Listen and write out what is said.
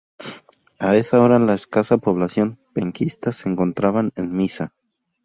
A esa hora la escasa población penquista se encontraban en misa.